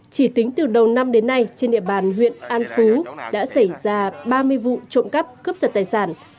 chỉ tính từ đầu năm đến nay trên địa bàn huyện an phú đã xảy ra ba mươi vụ trộm cắp cướp giật tài sản